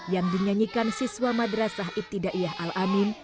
yang dinyanyikan siswa madrasah ibtidaiyah al amin